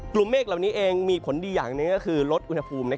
เมฆเหล่านี้เองมีผลดีอย่างหนึ่งก็คือลดอุณหภูมิ